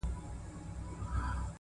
• سترگه وره مي په پت باندي پوهېږي؛